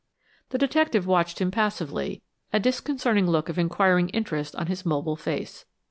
The detective watched him passively, a disconcerting look of inquiring interest on his mobile face.